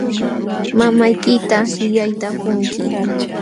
Mamaykita qillayta qunki.